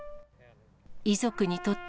遺族にとって、